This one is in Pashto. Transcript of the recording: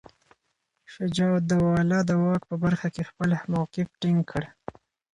شجاع الدوله د واک په برخه کې خپل موقف ټینګ کړ.